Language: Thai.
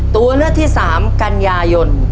ตัวเลือดที่สามกัญญายน